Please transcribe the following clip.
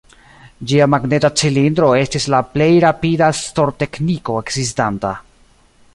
Ĝia magneta cilindro estis la plej rapida stor-tekniko ekzistanta.